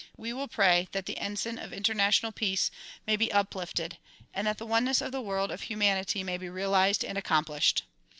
We will pray that the ensign of intei national peace may be uplifted and that the oneness of the world of humanity may be realized and accomplished.